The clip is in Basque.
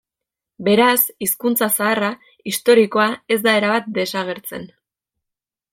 Beraz, hizkuntza zaharra, historikoa, ez da erabat desagertzen.